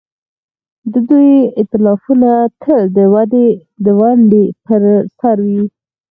د دوی ائتلافونه تل د ونډې پر سر وي.